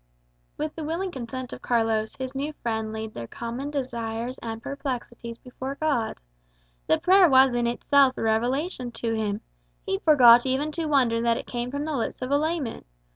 With the willing consent of Carlos, his new friend laid their common desires and perplexities before God. The prayer was in itself a revelation to him; he forgot even to wonder that it came from the lips of a layman.